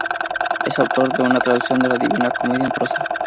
Es autor de una traducción de la "Divina Comedia" en prosa.